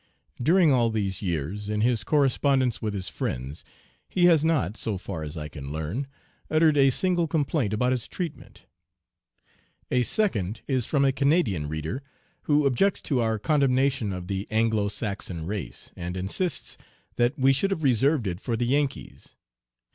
"'During all these years, in his correspondence with his friends, he has not, so far as I can learn, uttered a single complaint about his treatment.' "A second is from a Canadian reader, who objects to our condemnation of the Anglo Saxon race, and insists that we should have reserved it for the Yankees.